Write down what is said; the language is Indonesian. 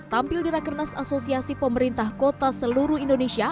tampil di rakernas asosiasi pemerintah kota seluruh indonesia